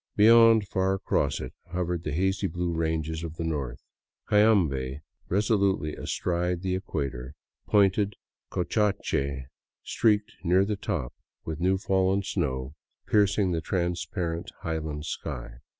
Beyond, far across it, hovered the hazy blue ranges of the north; Cayambe reso lutely astride the equator, pointed Cotacache, streaked near the top with new fallen snow, piercing the transparent highland sky.